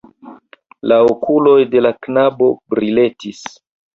La okuloj de la knabo briletis.